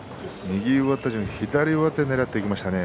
右上手、左上手をねらっていきましたね。